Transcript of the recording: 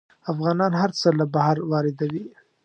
افغانان هر څه له بهر واردوي.